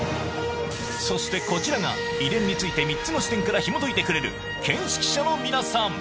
そしてこちらが遺伝について３つの視点からひもといてくれる見識者の皆さん